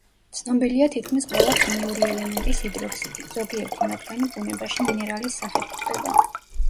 ცნობილია თითქმის ყველა ქიმიური ელემენტის ჰიდროქსიდი; ზოგიერთი მათგანი ბუნებაში მინერალის სახით გვხვდება.